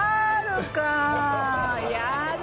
やだ！